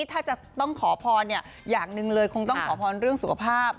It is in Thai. ถ้าจะต้องขอพรอย่างหนึ่งเลยคงต้องขอพรเรื่องสุขภาพ